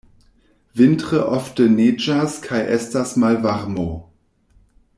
Vintre ofte neĝas kaj estas malvarmo.